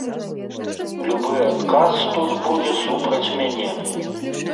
Любы адказ тут будзе супраць мяне.